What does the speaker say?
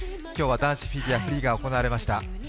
今日は男子フィギュアフリーが行われました。